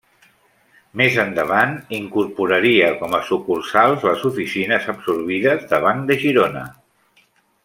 Més endavant, incorporaria com a sucursals les oficines absorbides de Banc de Girona.